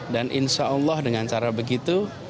dan insya allah dengan cara begitu